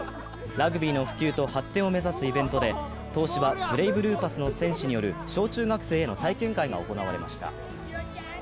ラグビーの普及と発展を目指すイベントで、東芝ブレイブルーパスの選手による小中学生への体験会が行われました。